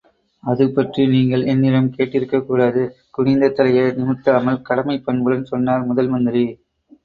அது பற்றி நீங்கள் என்னிடம் கேட்டிருக்கக் கூடாது!... குனிந்த தலையை நிமிர்த்தாமல் கடமைப் பண்புடன் சொன்னார் முதல்மந்திரி.